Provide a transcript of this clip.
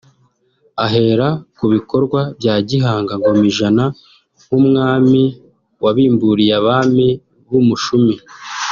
ahera ku bikorwa bya Gihanga Ngomijana nk’umwami wabimburiye abami b’umushumi